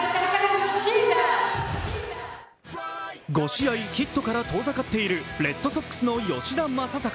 ５試合ヒットから遠ざかっているレッドソックスの吉田正尚。